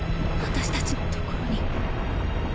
私たちのところに。